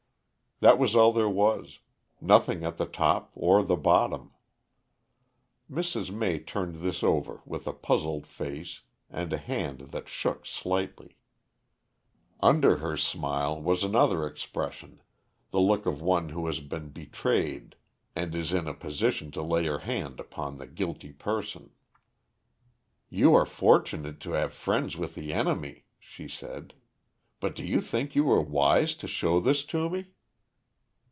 That was all there was; nothing at the top or the bottom. Mrs. May turned this over with a puzzled face and a hand that shook slightly. Under her smile was another expression, the look of one who has been betrayed and is in a position to lay her hand upon the guilty person. "You are fortunate to have friends with the enemy," she said. "But do you think you were wise to show this to me?"